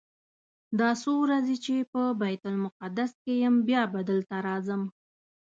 دا څو ورځې چې په بیت المقدس کې یم بیا به دلته راځم.